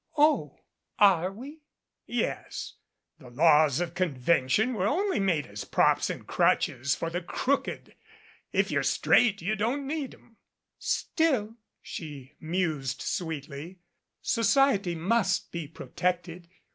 "Oh, are we?" "Yes. The laws of convention were only made as props and crutches for the crooked. If you're straight, you don't need 'em." "Still," she mused sweetly, "society must be protected.